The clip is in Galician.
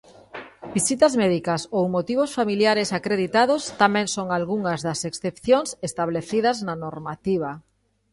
Visitas médicas ou motivos familiares acreditados tamén son algunhas das excepcións establecidas na normativa.